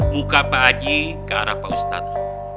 muka pak haji ke arah pak ustadz